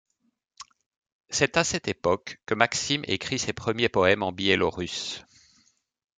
C'est à cette époque que Maksim écrit ses premiers poèmes en biélorusse.